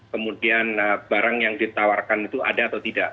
kemudian barang yang ditawarkan itu ada atau tidak